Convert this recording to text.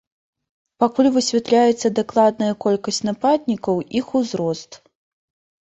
Пакуль высвятляецца дакладная колькасць нападнікаў, іх узрост.